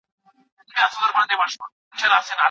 تاريخ د عبرت اخيستلو لپاره دی.